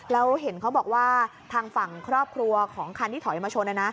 แล้วเห็นเขาบอกว่าทางฝั่งครอบครัวของคันที่ถอยมาชน